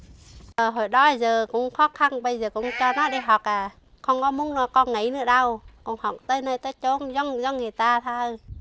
hồi đó giờ cũng khó khăn bây giờ cũng cho nó đi học à không có muốn con nghỉ nữa đâu còn học tới nơi tới chỗ dân người ta thôi